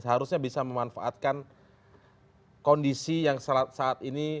seharusnya bisa memanfaatkan kondisi yang saat ini